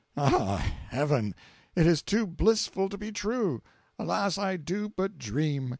Ah, Heaven! it is too blissful to be true; alas, I do but dream.